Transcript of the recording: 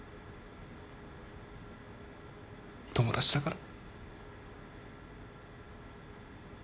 友達だから。